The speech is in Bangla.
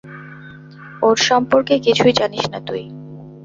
ওর সম্পর্কে কিছুই জানিস না তুই।